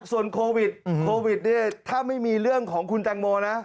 ส่วนโควิดโควิดเนี่ยถ้าไม่มีเรื่องของคุณแตงโมนะ